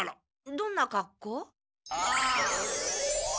どんなかっこう？